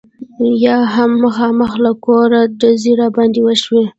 یا هم مخامخ له کوره ډزې را باندې وشي.